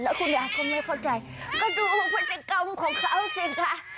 แล้วคุณยายก็ไม่เข้าใจก็ดูพฤติกรรมของเขาสิคะ